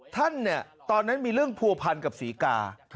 ท่านเนี่ยตอนนั้นมีเรื่องผัวพันธ์กับศรีกา